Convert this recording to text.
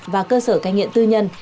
và cơ sở cai nghiện tư nhân